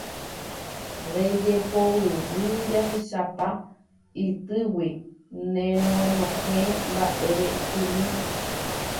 Rejepovyvy jahechápa ytýgui nereguenohẽi mba'erepymi.